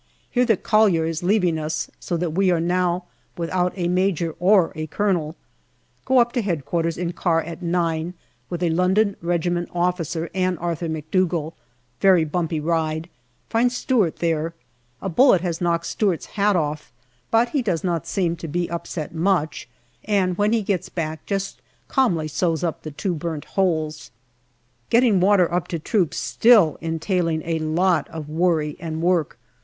Hear that Collier is leaving us, so that we are now without a major or a colonel. Go up to H.Q. in car at nine, with a London Regiment officer and Arthur McDougall. Very bumpy ride. Find Stewart there. A bullet has knocked Stewart's hat off, but he does not seem to be upset much, and when he gets back just calmly sews up the two burnt holes. Getting water up to troops still entailing a lot of worry and work.